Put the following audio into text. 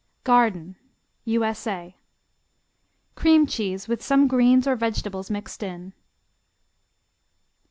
Garden U.S.A. Cream cheese with some greens or vegetables mixed in.